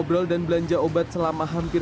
ada online bisa dibaca oleh semua rakyat pak